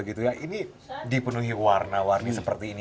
ini dipenuhi warna warni seperti ini